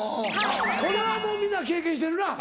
これはもう皆経験してるな。